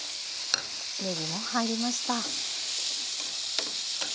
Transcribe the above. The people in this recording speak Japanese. ねぎも入りました。